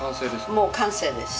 もう完成です。